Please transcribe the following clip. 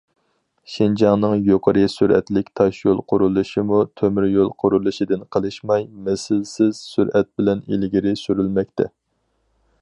شىنجاڭنىڭ يۇقىرى سۈرئەتلىك تاشيول قۇرۇلۇشىمۇ تۆمۈريول قۇرۇلۇشىدىن قېلىشماي، مىسلىسىز سۈرئەت بىلەن ئىلگىرى سۈرۈلمەكتە.